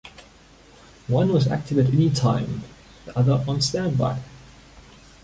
One was active at any time, the other on standby.